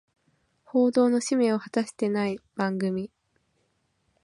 報道の使命を果たしてない番組